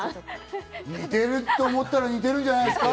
似てると思ったら似てるんじゃないですか。